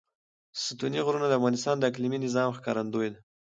ستوني غرونه د افغانستان د اقلیمي نظام ښکارندوی ده.